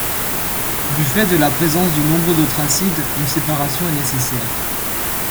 Du fait de la présence de nombreux autres acides, une séparation est nécessaire.